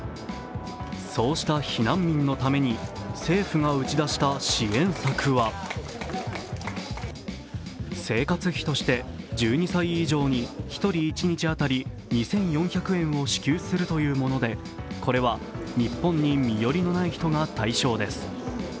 そうした避難民のために政府が打ち出した支援策は生活費として１２歳以上に１人一日当たり２４００円を支給するというものでこれは日本に身寄りのない人が対象です。